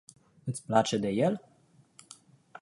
Iti place de el?